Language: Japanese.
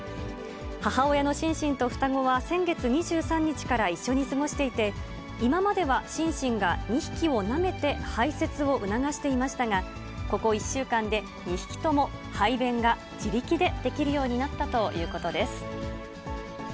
母親のシンシンと双子は先月２３日から一緒に過ごしていて、今まではシンシンが２匹をなめて排せつを促していましたが、ここ１週間で２匹とも排便が自力でできるようになったということです。